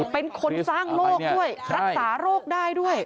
เป็นคนสร้างโรคด้วยรักษาโรคได้ด้วย